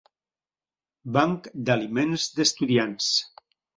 Banc d'Aliments d'Estudiants.